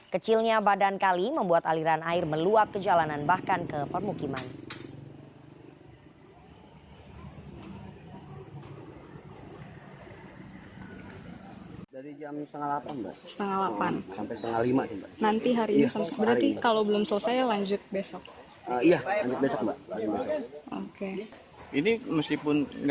kecilnya badan kali membuat aliran air meluap ke jalanan bahkan ke permukiman